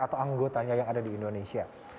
atau anggotanya yang ada di indonesia